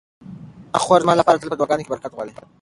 زما خور زما لپاره تل په دعاګانو کې برکت غواړي.